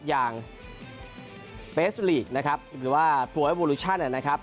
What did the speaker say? อย่างเบสลีกนะครับหรือว่าโปรเอวอลูชั่นนะครับ